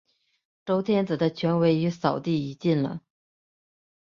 周天子的权威已扫地殆尽了。